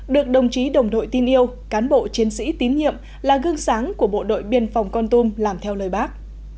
được đồng chí đồng đội tin yêu cán bộ chiến sĩ tín nhiệm là gương sáng của bộ đội biên phòng con tum làm theo lời bác